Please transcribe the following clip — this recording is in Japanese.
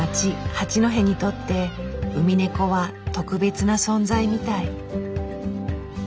八戸にとってウミネコは特別な存在みたい。